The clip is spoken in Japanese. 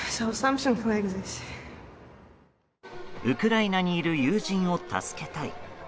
ウクライナにいる友人を助けたい。